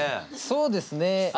そうですね。